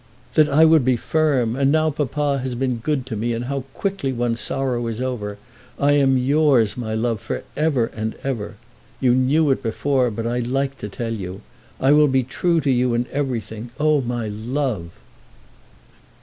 "That I would be firm! And now papa has been good to me, and how quickly one's sorrow is over. I am yours, my love, for ever and ever. You knew it before, but I like to tell you. I will be true to you in everything! Oh, my love!"